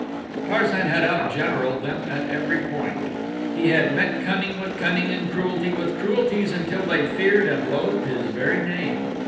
Tarzan had out generaled them at every point. He had met cunning with cunning and cruelty with cruelties until they feared and loathed his very name.